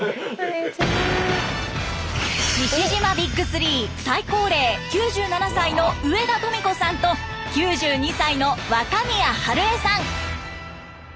志々島ＢＩＧ３最高齢９７歳の上田富子さんと９２歳の若宮ハルエさん。